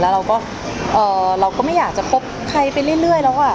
แล้วเราก็ไม่อยากจะคบใครไปเรื่อยแล้วอ่ะ